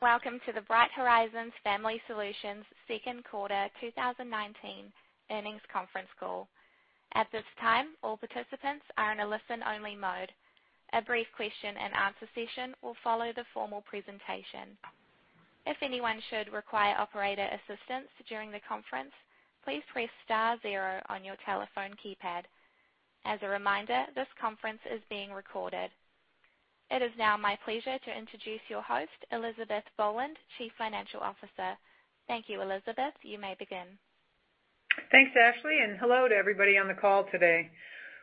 Welcome to the Bright Horizons Family Solutions second quarter 2019 earnings conference call. At this time, all participants are in a listen-only mode. A brief question and answer session will follow the formal presentation. If anyone should require operator assistance during the conference, please press star zero on your telephone keypad. As a reminder, this conference is being recorded. It is now my pleasure to introduce your host, Elizabeth Boland, Chief Financial Officer. Thank you, Elizabeth. You may begin. Thanks, Ashley, and hello to everybody on the call today.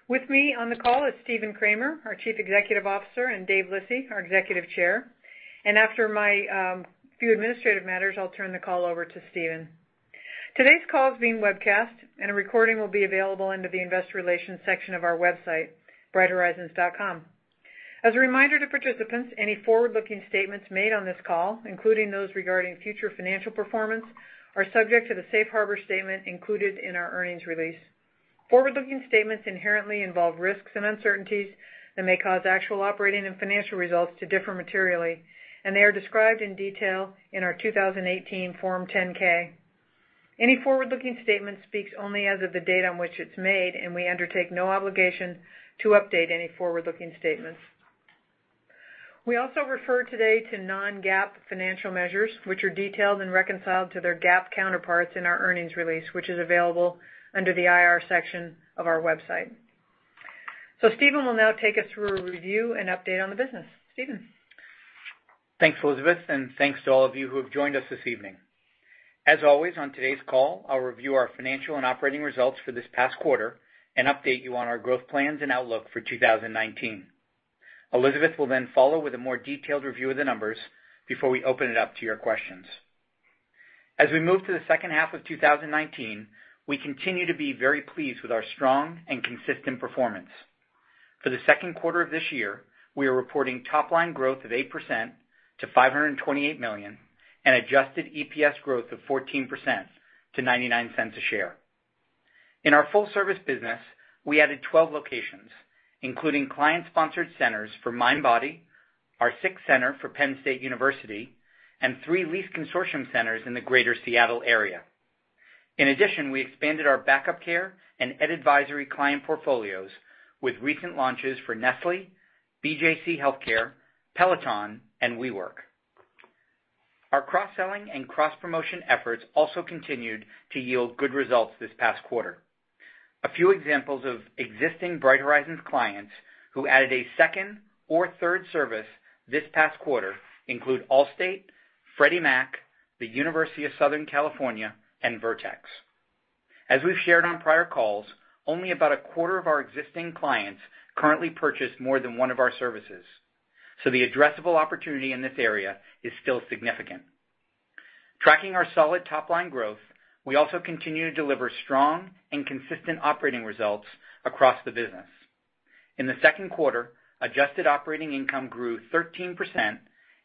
With me on the call is Stephen Kramer, our Chief Executive Officer, and David Lissy, our Executive Chair. After my few administrative matters, I'll turn the call over to Stephen. Today's call is being webcast, and a recording will be available under the Investor Relations section of our website, brighthorizons.com. As a reminder to participants, any forward-looking statements made on this call, including those regarding future financial performance, are subject to the safe harbor statement included in our earnings release. Forward-looking statements inherently involve risks and uncertainties that may cause actual operating and financial results to differ materially, and they are described in detail in our 2018 Form 10-K. Any forward-looking statement speaks only as of the date on which it's made, and we undertake no obligation to update any forward-looking statements. We also refer today to non-GAAP financial measures, which are detailed and reconciled to their GAAP counterparts in our earnings release, which is available under the IR section of our website. Stephen will now take us through a review and update on the business. Stephen? Thanks, Elizabeth. Thanks to all of you who have joined us this evening. As always, on today's call, I'll review our financial and operating results for this past quarter and update you on our growth plans and outlook for 2019. Elizabeth will then follow with a more detailed review of the numbers before we open it up to your questions. As we move to the second half of 2019, we continue to be very pleased with our strong and consistent performance. For the second quarter of this year, we are reporting top-line growth of 8% to $528 million and adjusted EPS growth of 14% to $0.99 a share. In our full-service business, we added 12 locations, including client-sponsored centers for Mindbody, our sixth center for Penn State University, and three lease consortium centers in the Greater Seattle area. We expanded our backup care and Ed Advisory client portfolios with recent launches for Nestlé, BJC HealthCare, Peloton, and WeWork. Our cross-selling and cross-promotion efforts also continued to yield good results this past quarter. A few examples of existing Bright Horizons clients who added a second or third service this past quarter include Allstate, Freddie Mac, the University of Southern California, and Vertex. As we've shared on prior calls, only about a quarter of our existing clients currently purchase more than one of our services, the addressable opportunity in this area is still significant. Tracking our solid top-line growth, we also continue to deliver strong and consistent operating results across the business. In the second quarter, adjusted operating income grew 13%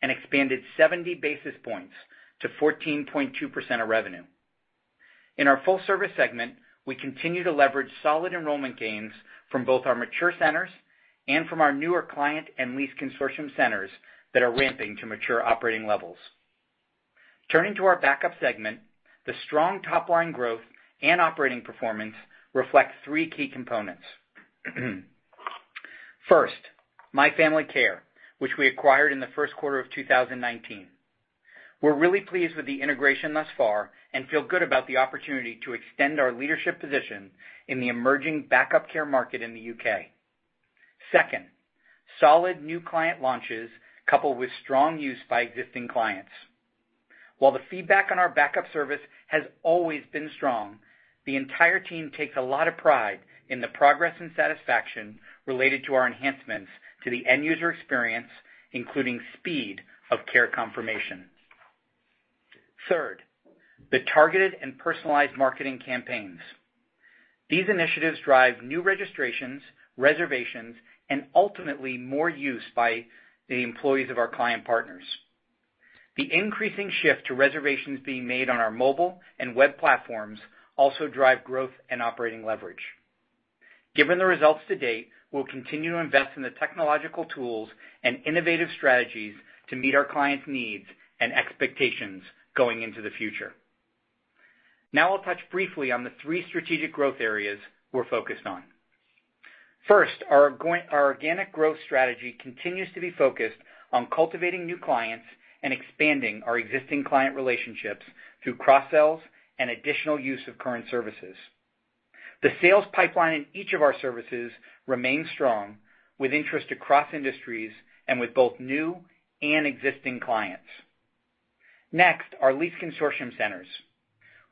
and expanded 70 basis points to 14.2% of revenue. In our full-service segment, we continue to leverage solid enrollment gains from both our mature centers and from our newer client and lease consortium centers that are ramping to mature operating levels. Turning to our backup segment, the strong top-line growth and operating performance reflects three key components. First, My Family Care, which we acquired in the first quarter of 2019. We're really pleased with the integration thus far and feel good about the opportunity to extend our leadership position in the emerging backup care market in the U.K. Second, solid new client launches coupled with strong use by existing clients. While the feedback on our backup service has always been strong, the entire team takes a lot of pride in the progress and satisfaction related to our enhancements to the end-user experience, including speed of care confirmation. Third, the targeted and personalized marketing campaigns. These initiatives drive new registrations, reservations, and ultimately more use by the employees of our client partners. The increasing shift to reservations being made on our mobile and web platforms also drive growth and operating leverage. Given the results to date, we'll continue to invest in the technological tools and innovative strategies to meet our clients' needs and expectations going into the future. I'll touch briefly on the three strategic growth areas we're focused on. First, our organic growth strategy continues to be focused on cultivating new clients and expanding our existing client relationships through cross-sells and additional use of current services. The sales pipeline in each of our services remains strong, with interest across industries and with both new and existing clients. Next, our lease consortium centers.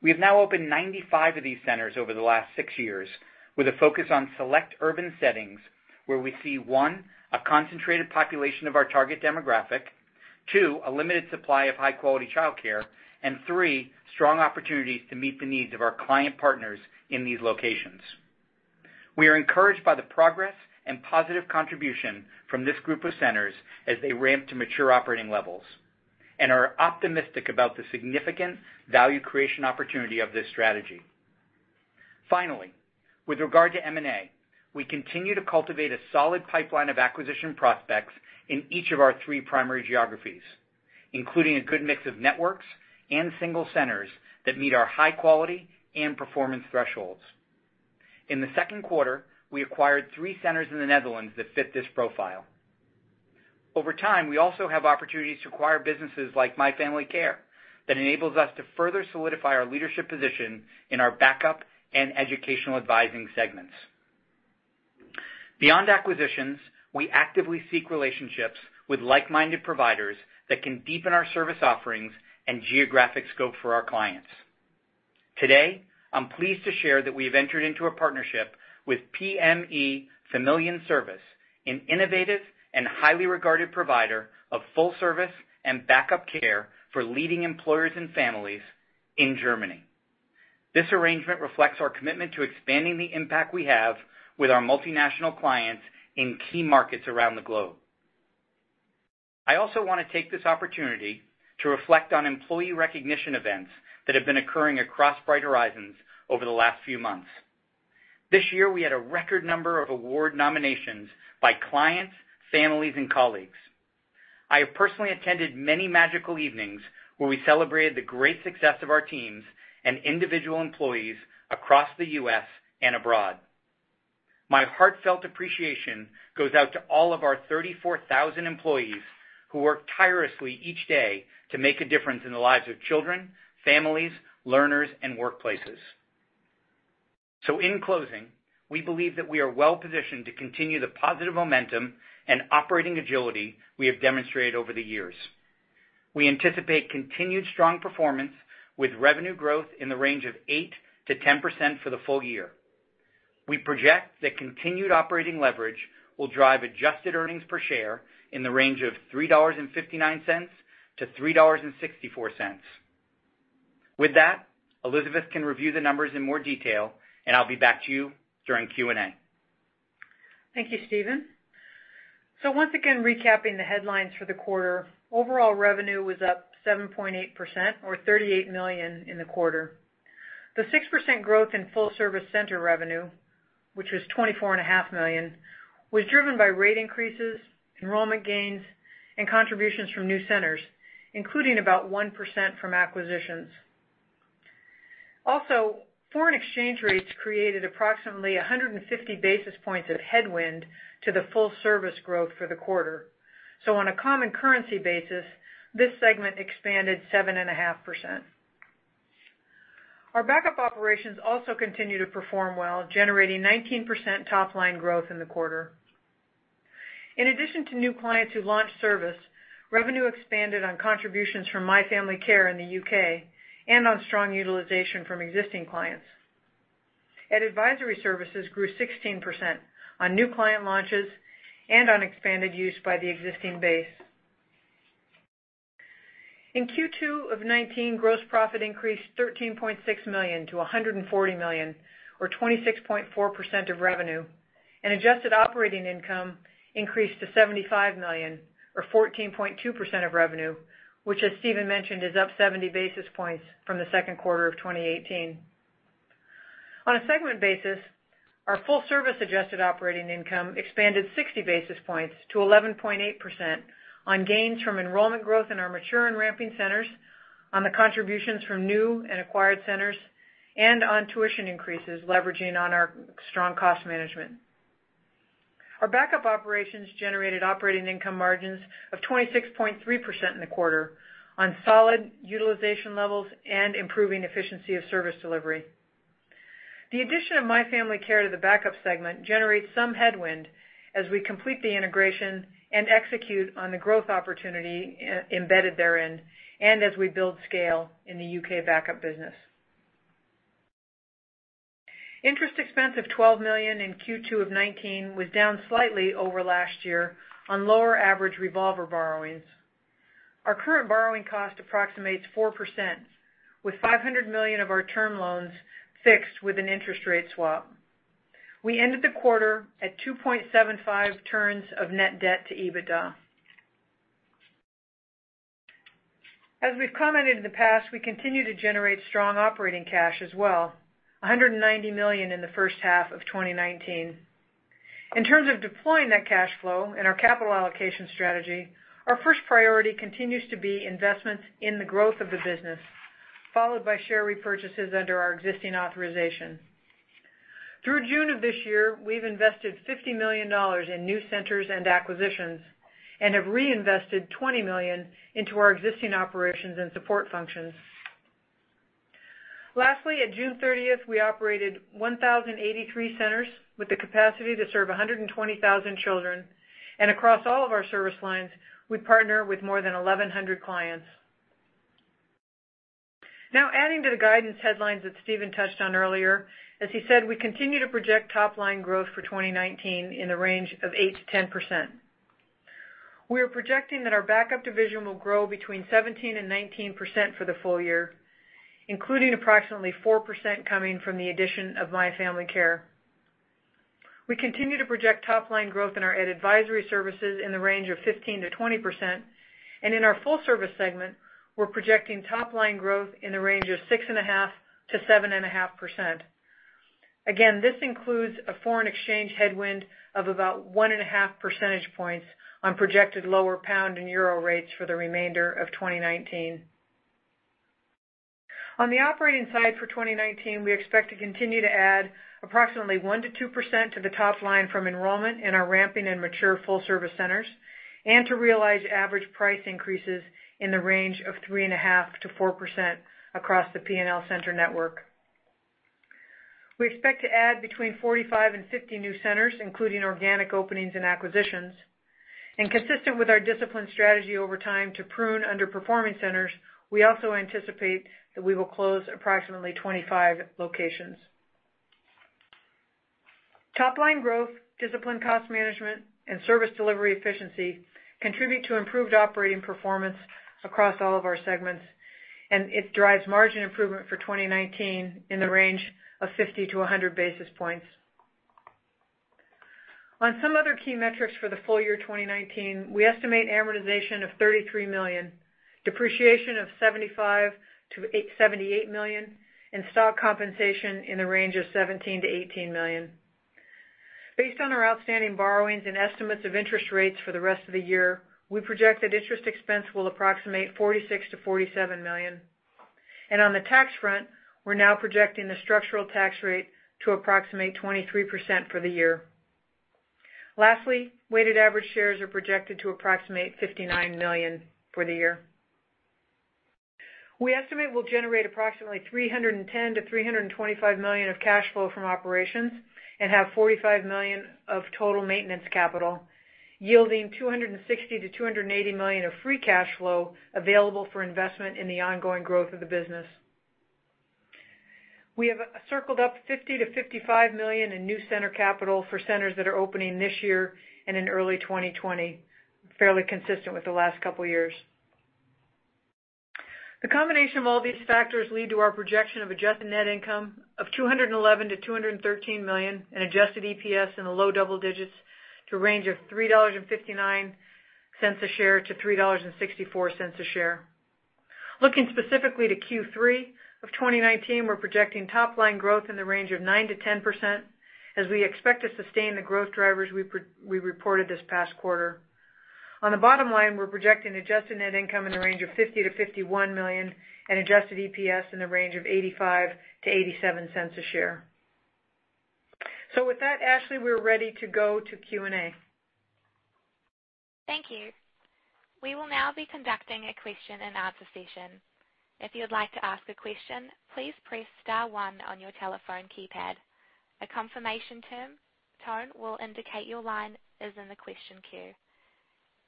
We have now opened 95 of these centers over the last six years with a focus on select urban settings where we see, one, a concentrated population of our target demographic, two, a limited supply of high-quality childcare, and three, strong opportunities to meet the needs of our client partners in these locations. We are encouraged by the progress and positive contribution from this group of centers as they ramp to mature operating levels and are optimistic about the significant value creation opportunity of this strategy. Finally, with regard to M&A, we continue to cultivate a solid pipeline of acquisition prospects in each of our three primary geographies, including a good mix of networks and single centers that meet our high quality and performance thresholds. In the second quarter, we acquired three centers in the Netherlands that fit this profile. Over time, we also have opportunities to acquire businesses like My Family Care that enables us to further solidify our leadership position in our backup and educational advising segments. Beyond acquisitions, we actively seek relationships with like-minded providers that can deepen our service offerings and geographic scope for our clients. Today, I'm pleased to share that we have entered into a partnership with PME Familienservice, an innovative and highly regarded provider of full service and backup care for leading employers and families in Germany. This arrangement reflects our commitment to expanding the impact we have with our multinational clients in key markets around the globe. I also want to take this opportunity to reflect on employee recognition events that have been occurring across Bright Horizons over the last few months. This year, we had a record number of award nominations by clients, families, and colleagues. I have personally attended many magical evenings where we celebrated the great success of our teams and individual employees across the U.S. and abroad. My heartfelt appreciation goes out to all of our 34,000 employees who work tirelessly each day to make a difference in the lives of children, families, learners, and workplaces. In closing, we believe that we are well-positioned to continue the positive momentum and operating agility we have demonstrated over the years. We anticipate continued strong performance with revenue growth in the range of 8% to 10% for the full year. We project that continued operating leverage will drive adjusted earnings per share in the range of $3.59 to $3.64. With that, Elizabeth can review the numbers in more detail, and I'll be back to you during Q&A. Thank you, Stephen. Once again, recapping the headlines for the quarter. Overall revenue was up 7.8%, or $38 million in the quarter. The 6% growth in full-service center revenue, which was $24.5 million, was driven by rate increases, enrollment gains, and contributions from new centers, including about 1% from acquisitions. Foreign exchange rates created approximately 150 basis points of headwind to the full-service growth for the quarter. On a common currency basis, this segment expanded 7.5%. Our backup operations also continue to perform well, generating 19% top-line growth in the quarter. In addition to new clients who launched service, revenue expanded on contributions from My Family Care in the U.K. and on strong utilization from existing clients. Advisory services grew 16% on new client launches and on expanded use by the existing base. In Q2 of 2019, gross profit increased $13.6 million to $140 million, or 26.4% of revenue, and adjusted operating income increased to $75 million, or 14.2% of revenue, which, as Stephen mentioned, is up 70 basis points from the second quarter of 2018. On a segment basis, our full-service adjusted operating income expanded 60 basis points to 11.8% on gains from enrollment growth in our mature and ramping centers, on the contributions from new and acquired centers, and on tuition increases leveraging on our strong cost management. Our backup operations generated operating income margins of 26.3% in the quarter on solid utilization levels and improving efficiency of service delivery. The addition of My Family Care to the backup segment generates some headwind as we complete the integration and execute on the growth opportunity embedded therein, and as we build scale in the U.K. backup business. Interest expense of $12 million in Q2 of 2019 was down slightly over last year on lower average revolver borrowings. Our current borrowing cost approximates 4%, with $500 million of our term loans fixed with an interest rate swap. We ended the quarter at 2.75 turns of net debt to EBITDA. As we've commented in the past, we continue to generate strong operating cash as well, $190 million in the first half of 2019. In terms of deploying that cash flow and our capital allocation strategy, our first priority continues to be investments in the growth of the business, followed by share repurchases under our existing authorization. Through June of this year, we've invested $50 million in new centers and acquisitions and have reinvested $20 million into our existing operations and support functions. Lastly, at June 30th, we operated 1,083 centers with the capacity to serve 120,000 children. Across all of our service lines, we partner with more than 1,100 clients. Now, adding to the guidance headlines that Stephen touched on earlier, as he said, we continue to project top-line growth for 2019 in the range of 8%-10%. We are projecting that our backup division will grow between 17% and 19% for the full year, including approximately 4% coming from the addition of My Family Care. We continue to project top-line growth in our educational advisory services in the range of 15%-20%, and in our full-service segment, we're projecting top-line growth in the range of 6.5%-7.5%. Again, this includes a foreign exchange headwind of about 1.5 percentage points on projected lower pound and euro rates for the remainder of 2019. On the operating side for 2019, we expect to continue to add approximately 1% to 2% to the top line from enrollment in our ramping and mature full-service centers, and to realize average price increases in the range of 3.5% to 4% across the P&L center network. We expect to add between 45 and 50 new centers, including organic openings and acquisitions. Consistent with our disciplined strategy over time to prune underperforming centers, we also anticipate that we will close approximately 25 locations. Top-line growth, disciplined cost management, and service delivery efficiency contribute to improved operating performance across all of our segments, and it drives margin improvement for 2019 in the range of 50 to 100 basis points. On some other key metrics for the full year 2019, we estimate amortization of $33 million, depreciation of $75 million-$78 million, and stock compensation in the range of $17 million-$18 million. Based on our outstanding borrowings and estimates of interest rates for the rest of the year, we project that interest expense will approximate $46 million-$47 million. On the tax front, we're now projecting the structural tax rate to approximate 23% for the year. Lastly, weighted average shares are projected to approximate 59 million for the year. We estimate we'll generate approximately $310 million-$325 million of cash flow from operations and have $45 million of total maintenance capital, yielding $260 million-$280 million of free cash flow available for investment in the ongoing growth of the business. We have circled up $50 million-$55 million in new center capital for centers that are opening this year and in early 2020, fairly consistent with the last couple of years. The combination of all these factors lead to our projection of adjusted net income of $211 million-$213 million, an adjusted EPS in the low double digits to a range of $3.59 a share-$3.64 a share. Looking specifically to Q3 of 2019, we're projecting top-line growth in the range of 9%-10% as we expect to sustain the growth drivers we reported this past quarter. On the bottom line, we're projecting adjusted net income in the range of $50 million-$51 million and adjusted EPS in the range of $0.85 a share-$0.87 a share. With that, Ashley, we're ready to go to Q&A. Thank you. We will now be conducting a question and answer session. If you'd like to ask a question, please press *1 on your telephone keypad. A confirmation tone will indicate your line is in the question queue.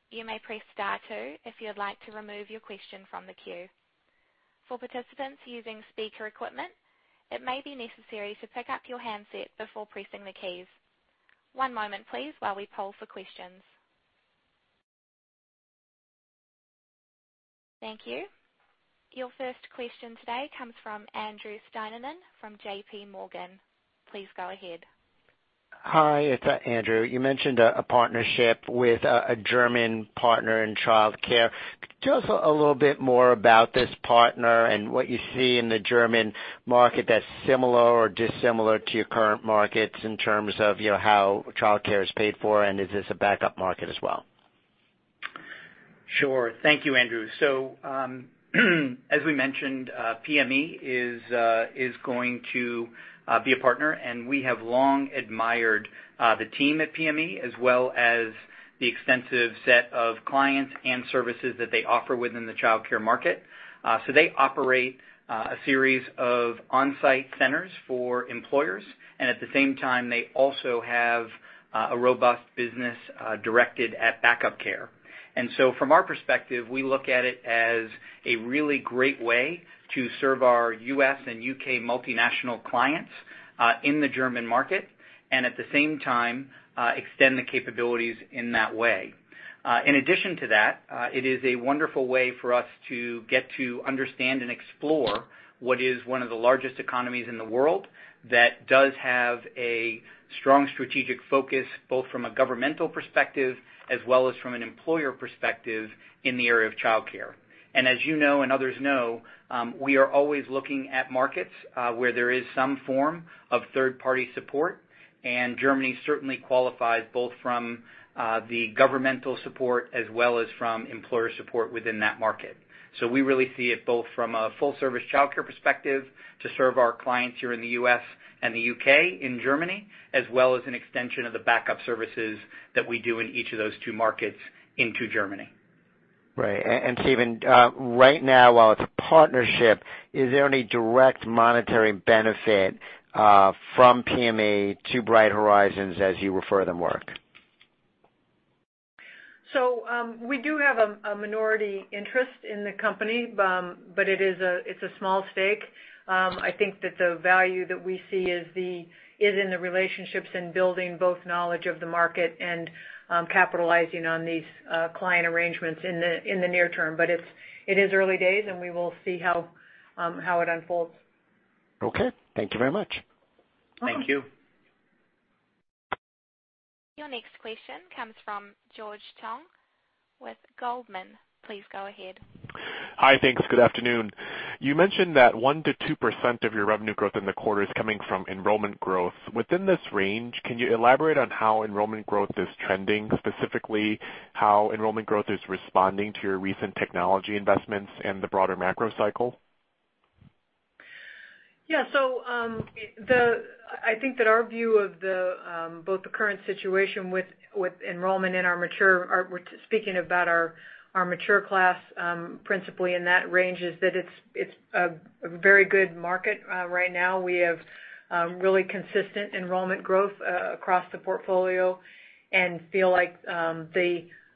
You may press *2 if you'd like to remove your question from the queue. For participants using speaker equipment, it may be necessary to pick up your handset before pressing the keys. One moment, please, while we poll for questions. Thank you. Your first question today comes from Andrew Steinerman from J.P. Morgan. Please go ahead. Hi, it's Andrew. You mentioned a partnership with a German partner in childcare. Could you tell us a little bit more about this partner and what you see in the German market that's similar or dissimilar to your current markets in terms of how childcare is paid for? Is this a backup market as well? Sure. Thank you, Andrew. As we mentioned, PME is going to be a partner, and we have long admired the team at PME, as well as the extensive set of clients and services that they offer within the childcare market. They operate a series of on-site centers for employers, and at the same time, they also have a robust business directed at backup care. From our perspective, we look at it as a really great way to serve our U.S. and U.K. multinational clients in the German market, and at the same time, extend the capabilities in that way. In addition to that, it is a wonderful way for us to get to understand and explore what is one of the largest economies in the world that does have a strong strategic focus, both from a governmental perspective as well as from an employer perspective in the area of childcare. As you know, and others know, we are always looking at markets where there is some form of third-party support, and Germany certainly qualifies both from the governmental support as well as from employer support within that market. We really see it both from a full-service childcare perspective to serve our clients here in the U.S. and the U.K. in Germany, as well as an extension of the backup services that we do in each of those two markets into Germany. Right. Stephen, right now, while it's a partnership, is there any direct monetary benefit from PME to Bright Horizons as you refer them work? We do have a minority interest in the company, but it's a small stake. I think that the value that we see is in the relationships and building both knowledge of the market and capitalizing on these client arrangements in the near term. It is early days, and we will see how it unfolds. Okay. Thank you very much. Thank you. Your next question comes from George Tong with Goldman. Please go ahead. Hi. Thanks. Good afternoon. You mentioned that 1%-2% of your revenue growth in the quarter is coming from enrollment growth. Within this range, can you elaborate on how enrollment growth is trending, specifically how enrollment growth is responding to your recent technology investments and the broader macro cycle? Yeah. I think that our view of both the current situation with enrollment in our mature, speaking about our mature class, principally in that range, is that it's a very good market right now. We have really consistent enrollment growth across the portfolio and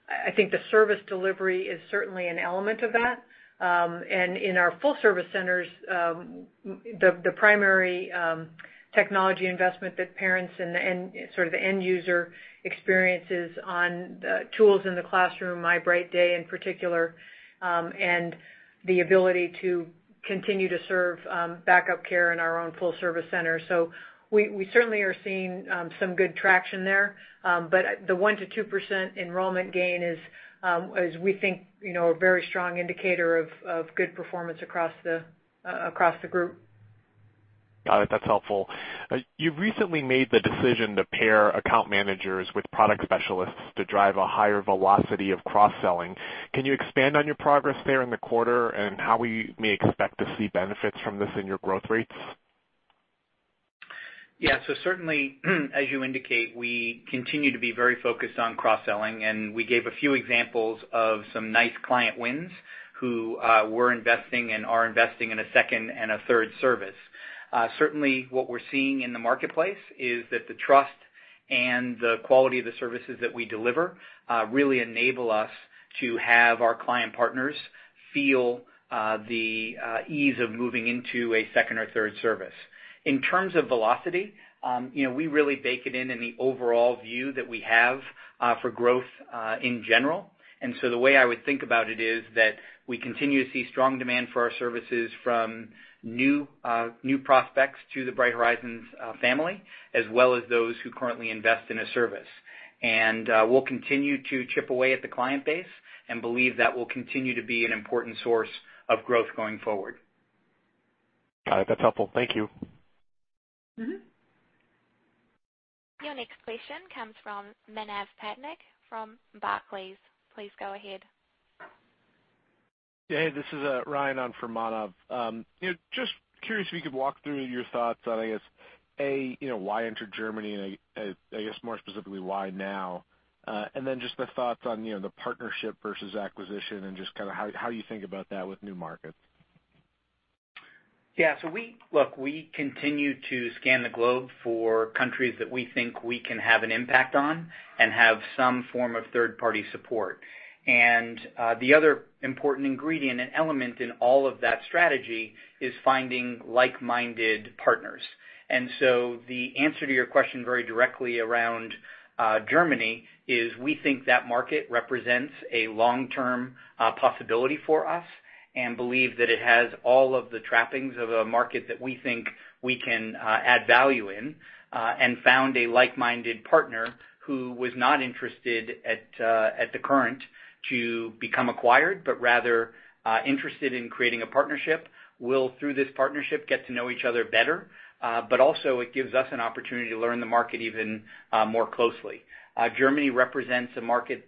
I think the service delivery is certainly an element of that. In our full-service centers, the primary technology investment that parents and sort of the end-user experiences on the tools in the classroom, My Bright Day in particular, and the ability to continue to serve backup care in our own full-service center. We certainly are seeing some good traction there. The 1%-2% enrollment gain is, we think, a very strong indicator of good performance across the group. Got it. That's helpful. You've recently made the decision to pair account managers with product specialists to drive a higher velocity of cross-selling. Can you expand on your progress there in the quarter, and how we may expect to see benefits from this in your growth rates? As you indicate, we continue to be very focused on cross-selling, and we gave a few examples of some nice client wins who were investing and are investing in a second and a third service. Certainly, what we're seeing in the marketplace is that the trust and the quality of the services that we deliver really enable us to have our client partners feel the ease of moving into a second or third service. In terms of velocity, we really bake it in in the overall view that we have for growth in general. The way I would think about it is that we continue to see strong demand for our services from new prospects to the Bright Horizons family, as well as those who currently invest in a service. We'll continue to chip away at the client base and believe that will continue to be an important source of growth going forward. Got it. That's helpful. Thank you. Your next question comes from Manav Patnaik from Barclays. Please go ahead. Yeah. Hey, this is Ryan on for Manav. Just curious if you could walk through your thoughts on, I guess, A, why enter Germany, and I guess more specifically, why now? Just the thoughts on the partnership versus acquisition and just how you think about that with new markets? Yeah. Look, we continue to scan the globe for countries that we think we can have an impact on and have some form of third-party support. The other important ingredient and element in all of that strategy is finding like-minded partners. The answer to your question very directly around Germany is we think that market represents a long-term possibility for us and believe that it has all of the trappings of a market that we think we can add value in. Found a like-minded partner who was not interested at the current to become acquired, but rather interested in creating a partnership. We'll, through this partnership, get to know each other better. Also it gives us an opportunity to learn the market even more closely. Germany represents a market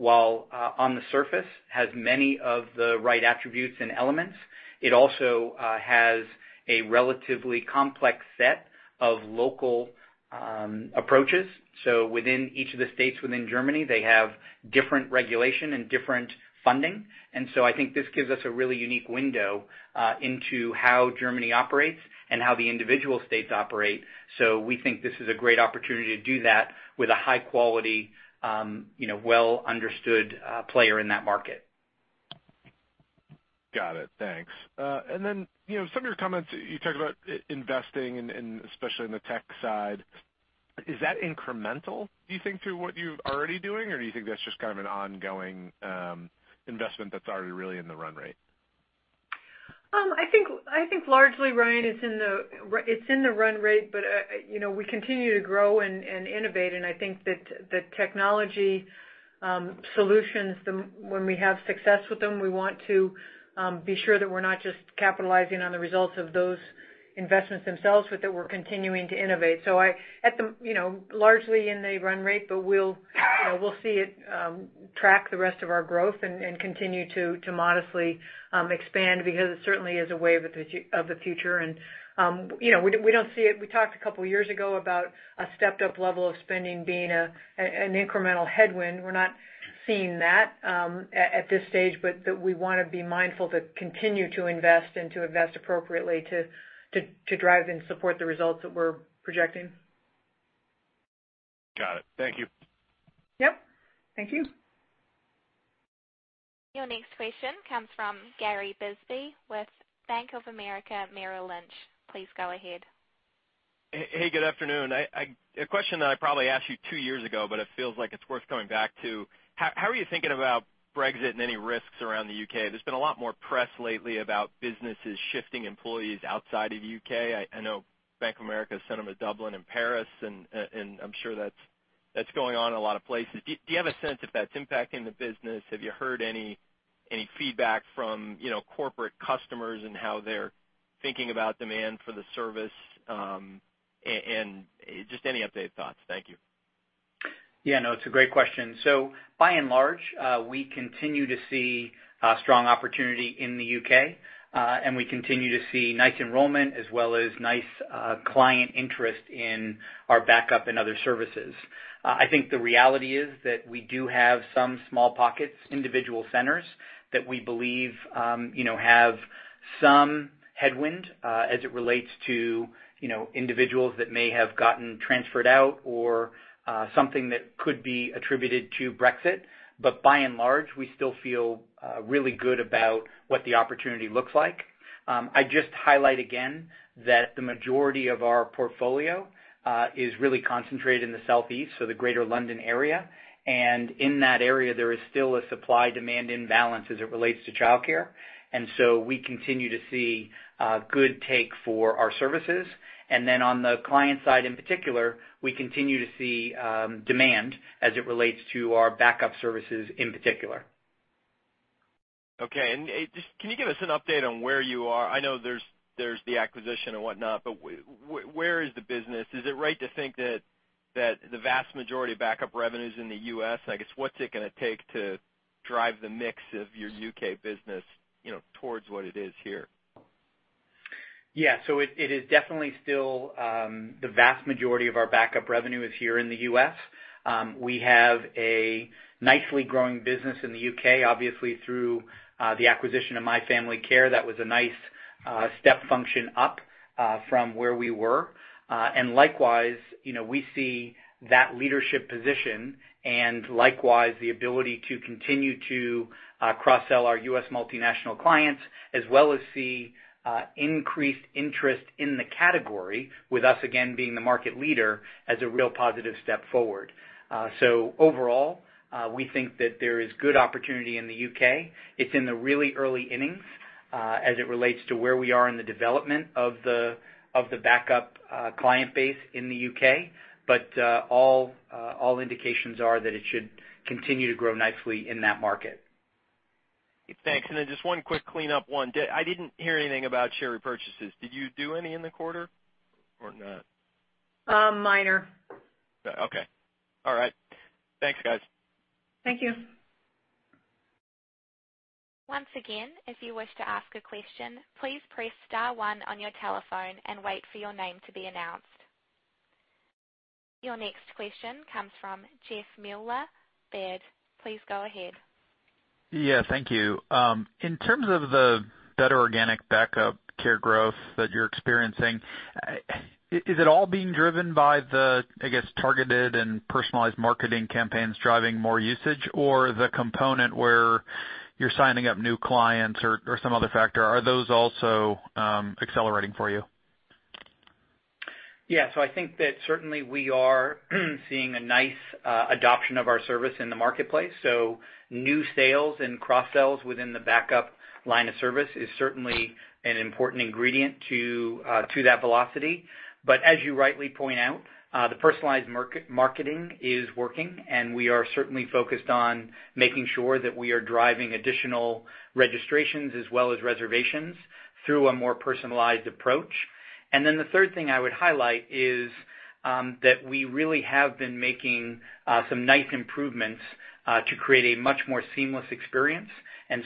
that, while on the surface has many of the right attributes and elements, it also has a relatively complex set of local approaches. Within each of the states within Germany, they have different regulation and different funding. I think this gives us a really unique window into how Germany operates and how the individual states operate. We think this is a great opportunity to do that with a high-quality, well-understood player in that market. Got it. Thanks. Some of your comments, you talked about investing and especially in the tech side, is that incremental, do you think, to what you're already doing? Do you think that's just kind of an ongoing investment that's already really in the run rate? I think largely, Ryan, it's in the run rate, but we continue to grow and innovate, and I think that technology solutions, when we have success with them, we want to be sure that we're not just capitalizing on the results of those investments themselves, but that we're continuing to innovate. Largely in the run rate, but we'll see it track the rest of our growth and continue to modestly expand because it certainly is a way of the future. We talked a couple of years ago about a stepped-up level of spending being an incremental headwind. We're not seeing that at this stage, but that we want to be mindful to continue to invest and to invest appropriately to drive and support the results that we're projecting. Got it. Thank you. Yep. Thank you. Your next question comes from Gary Bisbee with Bank of America Merrill Lynch. Please go ahead. Hey, good afternoon. A question that I probably asked you two years ago, but it feels like it's worth going back to. How are you thinking about Brexit and any risks around the U.K.? There's been a lot more press lately about businesses shifting employees outside of U.K. I know Bank of America sent them to Dublin and Paris, and I'm sure that's going on in a lot of places. Do you have a sense if that's impacting the business? Have you heard any feedback from corporate customers and how they're thinking about demand for the service, and just any updated thoughts? Thank you. Yeah, no, it's a great question. By and large, we continue to see strong opportunity in the U.K., and we continue to see nice enrollment as well as nice client interest in our backup and other services. I think the reality is that we do have some small pockets, individual centers, that we believe have some headwind as it relates to individuals that may have gotten transferred out or something that could be attributed to Brexit. By and large, we still feel really good about what the opportunity looks like. I'd just highlight again that the majority of our portfolio is really concentrated in the southeast, so the greater London area. In that area, there is still a supply-demand imbalance as it relates to childcare. We continue to see good take for our services. On the client side in particular, we continue to see demand as it relates to our backup services in particular. Okay. Just can you give us an update on where you are? I know there's the acquisition and whatnot, where is the business? Is it right to think that the vast majority of backup revenue's in the U.S.? What's it going to take to drive the mix of your U.K. business towards what it is here? Yeah. It is definitely still the vast majority of our backup revenue is here in the U.S. We have a nicely growing business in the U.K., obviously through the acquisition of My Family Care. That was a nice step function up from where we were. Likewise, we see that leadership position and likewise, the ability to continue to cross-sell our U.S. multinational clients as well as see increased interest in the category with us, again, being the market leader, as a real positive step forward. Overall, we think that there is good opportunity in the U.K. It's in the really early innings, as it relates to where we are in the development of the backup client base in the U.K. All indications are that it should continue to grow nicely in that market. Thanks. Then just one quick clean up one. I didn't hear anything about share repurchases. Did you do any in the quarter or not? Minor. Okay. All right. Thanks, guys. Thank you. Once again, if you wish to ask a question, please press *1 on your telephone and wait for your name to be announced. Your next question comes from Jeff Meuler, Baird. Please go ahead. Yeah, thank you. In terms of the better organic backup care growth that you're experiencing, is it all being driven by the, I guess, targeted and personalized marketing campaigns driving more usage, or the component where you're signing up new clients or some other factor? Are those also accelerating for you? I think that certainly we are seeing a nice adoption of our service in the marketplace. New sales and cross-sells within the backup line of service is certainly an important ingredient to that velocity. As you rightly point out, the personalized marketing is working, and we are certainly focused on making sure that we are driving additional registrations as well as reservations through a more personalized approach. The third thing I would highlight is that we really have been making some nice improvements to create a much more seamless experience.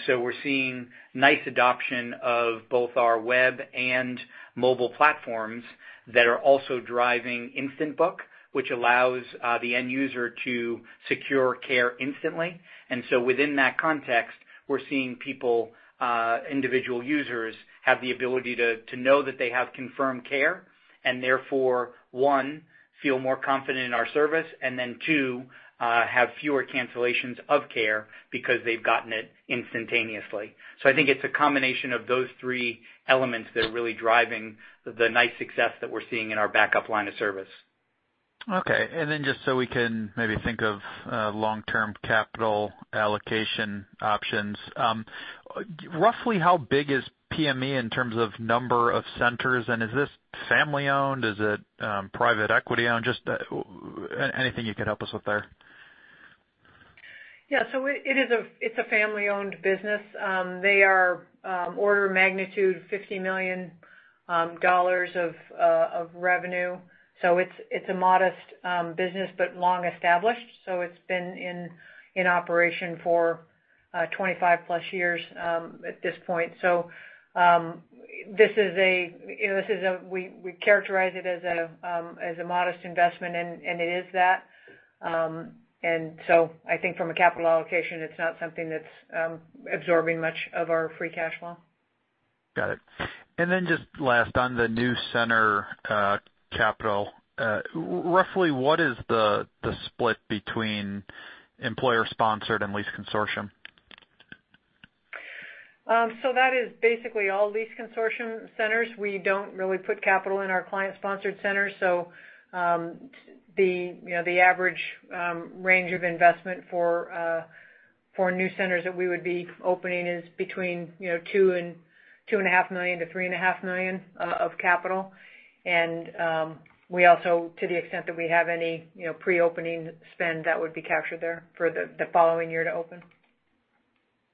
We're seeing nice adoption of both our web and mobile platforms that are also driving Instant Book, which allows the end user to secure care instantly. Within that context, we're seeing people, individual users, have the ability to know that they have confirmed care, and therefore, one, feel more confident in our service, and then two, have fewer cancellations of care because they've gotten it instantaneously. I think it's a combination of those three elements that are really driving the nice success that we're seeing in our backup line of service. Okay, just so we can maybe think of long-term capital allocation options. Roughly how big is pme in terms of number of centers? Is this family-owned? Is it private equity-owned? Just anything you could help us with there. Yeah. It's a family-owned business. They are order of magnitude $50 million of revenue. It's a modest business, but long established. It's been in operation for 25-plus years at this point. We characterize it as a modest investment, and it is that. I think from a capital allocation, it's not something that's absorbing much of our free cash flow. Then just last, on the new center capital, roughly what is the split between employer-sponsored and lease consortium? That is basically all lease consortium centers. We don't really put capital in our client-sponsored centers. The average range of investment for For new centers that we would be opening is between two and a half million to three and a half million of capital. We also, to the extent that we have any pre-opening spend, that would be captured there for the following year to open.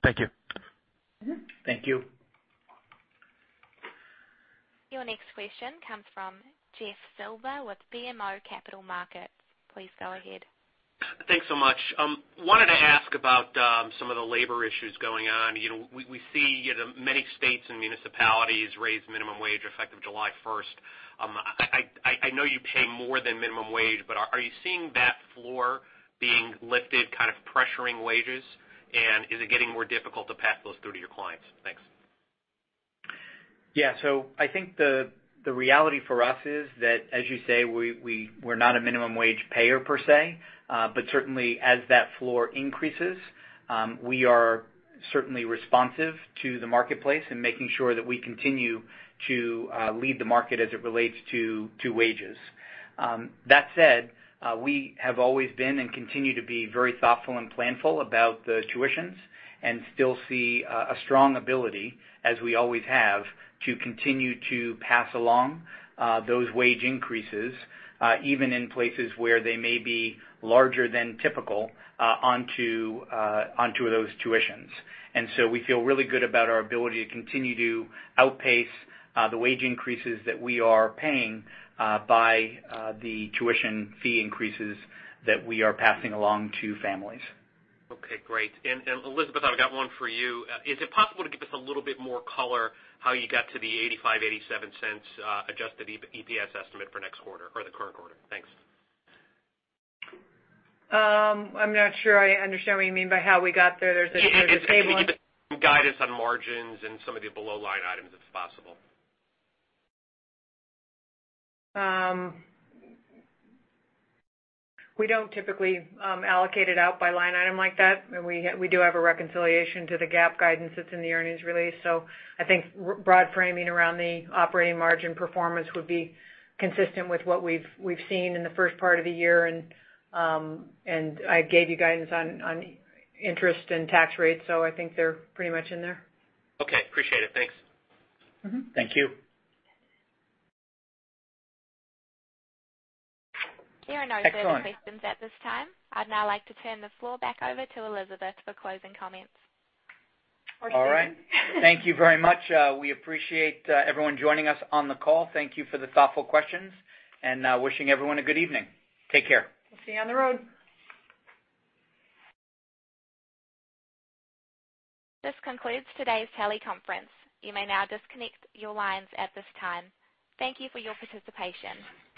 Thank you. Thank you. Your next question comes from Jeffrey Silber with BMO Capital Markets. Please go ahead. Thanks so much. Wanted to ask about some of the labor issues going on. We see many states and municipalities raise minimum wage effective July 1st. I know you pay more than minimum wage, are you seeing that floor being lifted, kind of pressuring wages? Is it getting more difficult to pass those through to your clients? Thanks. I think the reality for us is that, as you say, we're not a minimum wage payer per se. Certainly as that floor increases, we are certainly responsive to the marketplace and making sure that we continue to lead the market as it relates to wages. That said, we have always been and continue to be very thoughtful and planful about the tuitions and still see a strong ability, as we always have, to continue to pass along those wage increases, even in places where they may be larger than typical, onto those tuitions. We feel really good about our ability to continue to outpace the wage increases that we are paying by the tuition fee increases that we are passing along to families. Okay, great. Elizabeth, I've got one for you. Is it possible to give us a little bit more color how you got to the $0.85, $0.87 adjusted EPS estimate for next quarter or the current quarter? Thanks. I'm not sure I understand what you mean by how we got there. There's a table. Can you give us some guidance on margins and some of the below-line items, if possible? We don't typically allocate it out by line item like that, and we do have a reconciliation to the GAAP guidance that's in the earnings release. I think broad framing around the operating margin performance would be consistent with what we've seen in the first part of the year, and I gave you guidance on interest and tax rates, so I think they're pretty much in there. Okay, appreciate it. Thanks. Thank you. There are no further questions at this time. I'd now like to turn the floor back over to Elizabeth for closing comments. Or Stephen. All right. Thank you very much. We appreciate everyone joining us on the call. Thank you for the thoughtful questions. Wishing everyone a good evening. Take care. We'll see you on the road. This concludes today's teleconference. You may now disconnect your lines at this time. Thank you for your participation.